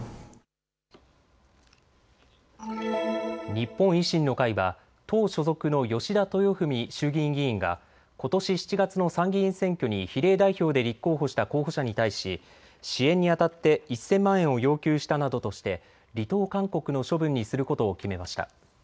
日本維新の会は党所属の吉田豊史衆議院議員がことし７月の参議院選挙に比例代表で立候補した候補者に対し支援にあたって１０００万円を要求したなどとして離党勧告の処分にすることを決めました。